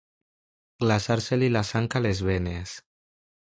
Glaçar-se-li la sang a les venes.